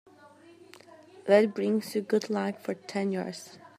That brings you good luck for ten years.